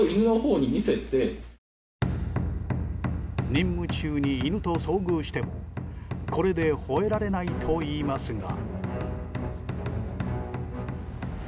任務中に犬と遭遇してもこれでほえられないといいますが。